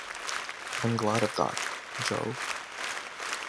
I'm glad of that, Jo.